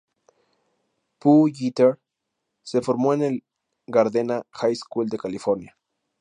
Pooh Jeter se formó en el Gardena High School de California.